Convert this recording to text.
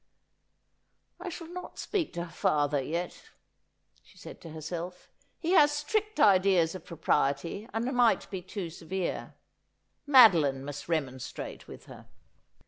' I shall not speak to her father, yet,' she said to herself. ' He has strict ideas of propriety, and might be too severe. Madoline must remonstrate with her.'